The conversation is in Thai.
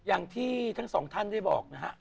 อย่างที่ทั้งสองท่านได้บอกนะฮะ